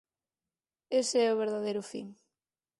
Ese é o verdadeiro fin.